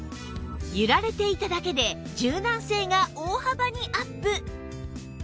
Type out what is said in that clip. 揺られていただけで柔軟性が大幅にアップ！